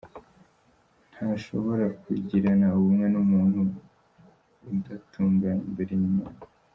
Ntashobora kugirana ubumwe n’umuntu udatunganye imbere y’Imana.